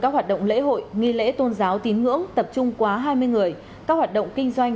các hoạt động lễ hội nghi lễ tôn giáo tín ngưỡng tập trung quá hai mươi người các hoạt động kinh doanh